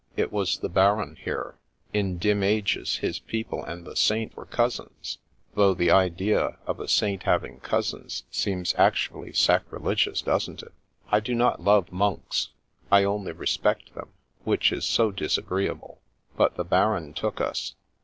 It was the Baron, here. In dim ages his people and the saint were cousins, though the idea of a saint having cousins seems actually sacrilegious, doesn't it? I do not love monks, I only respect them, which is so disagreeable. But the Baron took us.